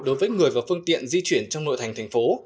đối với người và phương tiện di chuyển trong nội thành thành phố